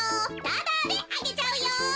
ただであげちゃうよ。